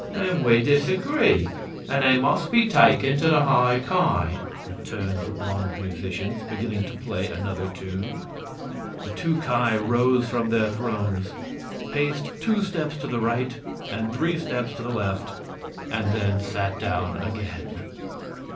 "Then we disagree, and they must be taken to the High Ki," returned the blond musicians, beginning to play another tune. The two Ki rose from their thrones, paced two steps to the right and three steps to the left, and then sat down again.